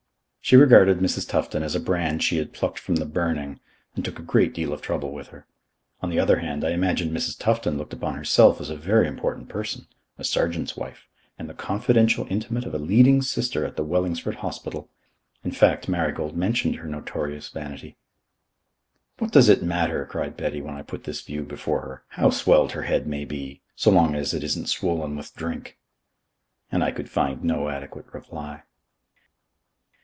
She regarded Mrs. Tufton as a brand she had plucked from the burning and took a great deal of trouble with her. On the other hand, I imagine Mrs. Tufton looked upon herself as a very important person, a sergeant's wife, and the confidential intimate of a leading sister at the Wellingsford Hospital. In fact, Marigold mentioned her notorious vanity. "What does it matter," cried Betty, when I put this view before her, "how swelled her head may be, so long as it isn't swollen with drink?" And I could find no adequate reply.